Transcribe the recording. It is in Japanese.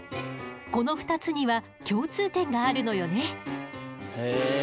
この２つには共通点があるのよね。